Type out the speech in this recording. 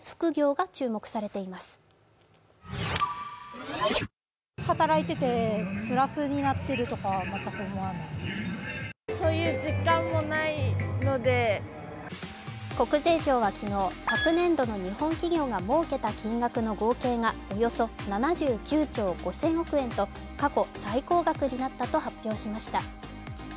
国税庁は昨日、昨年度の日本企業がもうけた金額の合計がおよそ７９兆５０００億円と過去最高額になったと発表しました。